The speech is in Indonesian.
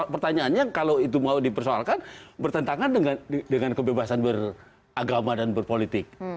pertanyaannya kalau itu mau dipersoalkan bertentangan dengan kebebasan beragama dan berpolitik